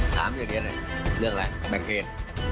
ถามอย่างเดียวเลยเลือกอะไรแบงเทน